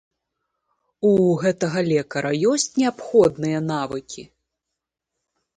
У гэтага лекара ёсць неабходныя навыкі?